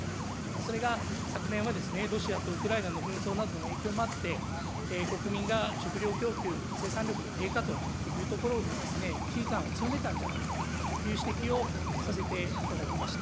それが昨年はロシアとウクライナの紛争などの影響もあって、国民が食料供給、生産力の低下というところに危機感を強めたんじゃないかという指摘をさせていただきました。